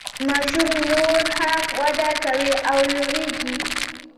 ماشوم نوره هم وده کوي او لوییږي.